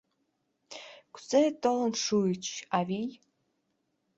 — Кузе толын шуыч, авий?